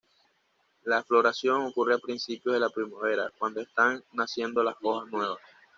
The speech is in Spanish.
La floración ocurre a principios de la primavera, cuando están naciendo las hojas nuevas.